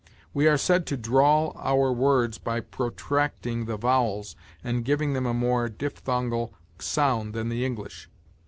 We are said to drawl our words by protracting the vowels and giving them a more diphthongal sound than the English.